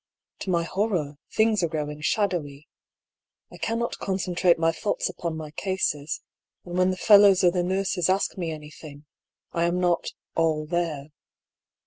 To my horror, things are growing shadowy. I cannot concentrate my thoughts upon my cases ; and when the fellows or the nurses ask me anything, I am not " all there."